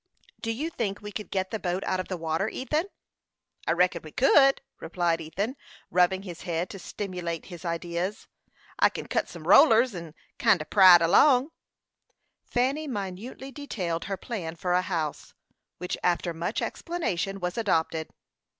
"Do you think we could get the boat out of the water, Ethan?" "I reckon we could," replied Ethan, rubbing his head to stimulate his ideas. "I kin cut some rollers, and kinder pry it along." Fanny minutely detailed her plan for a house, which, after much explanation, was adopted.